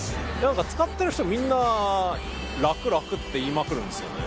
使ってる人みんな楽楽って言いまくるんですよね。